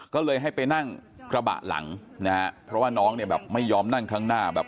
ก็เลยให้ไปนั่งกระบะหลังนะฮะเพราะว่าน้องเนี่ยแบบไม่ยอมนั่งข้างหน้าแบบ